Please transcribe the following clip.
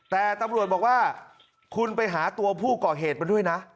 แต่ตำรวจบอกว่าคุณไปหาตัวผู้ก่อเหตุมาด้วยนะ